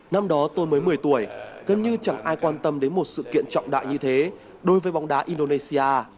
năm đó tôi mới một mươi tuổi gần như chẳng ai quan tâm đến một sự kiện trọng đại như thế đối với bóng đá indonesia